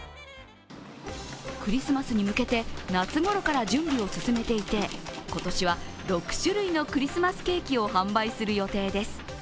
クリスマスに向けて夏ごろから準備を進めていて、今年は６種類のクリスマスケーキを販売する予定です。